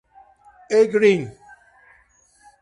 E. Green.